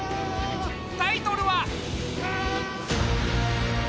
タイトルは。